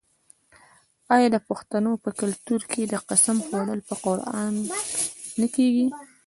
آیا د پښتنو په کلتور کې د قسم خوړل په قران نه کیږي؟